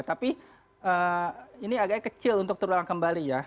tapi ini agaknya kecil untuk terulang kembali ya